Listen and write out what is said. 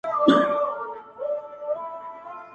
ځوانه د لولیو په بازار اعتبار مه کوه!!